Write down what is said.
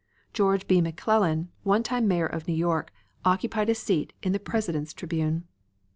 George B. McClellan, one time mayor of New York, occupied a seat in the President's tribune.